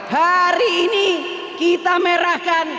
hari ini kita merahkan